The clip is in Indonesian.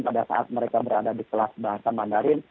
pada saat mereka berada di kelas bahasa mandarin